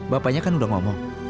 bapaknya kan udah ngomong